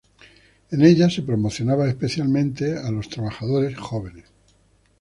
En ellas se promocionaba especialmente a los trabajadores jóvenes.